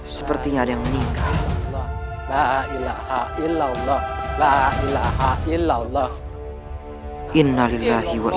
sepertinya ada yang meninggal